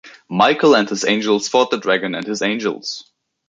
Michael and his Angels fought the Dragon and his angels.